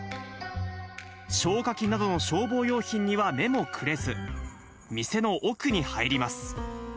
消火器などの消防用品には目もくれず、店の奥に入ります。